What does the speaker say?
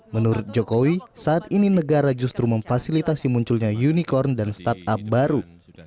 menurut jokowi saat ini negara justru memfasilitasi munculnya unicorn dan startup baru